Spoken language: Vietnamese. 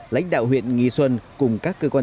lãnh đạo huyện nghi xuân cùng các cơ quan